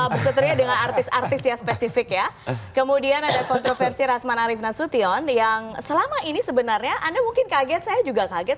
berseteria dengan artis artis yang spesifik ya kemudian ada kontroversi rasman arief nasution yang selama ini sebenarnya anda mungkin kaget saya juga kaget